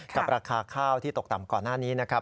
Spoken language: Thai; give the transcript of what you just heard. กับราคาข้าวที่ตกต่ำก่อนหน้านี้นะครับ